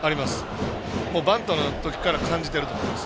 あります、バントの時から感じていると思います。